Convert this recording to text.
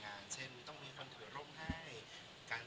การส่องต่อเครื่องบินจนก็ต้องเป็นว่าสารการบินแห่งชาติ